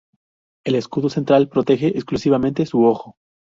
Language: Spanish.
El escudo central protege exclusivamente su "ojo".